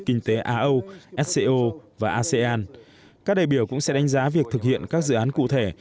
kinh tế á âu sco và asean các đại biểu cũng sẽ đánh giá việc thực hiện các dự án cụ thể